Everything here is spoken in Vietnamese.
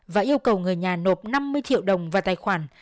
và yêu cầu người nhà nộp năm mươi triệu đồng vào tài khoản